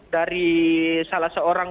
dari salah seorang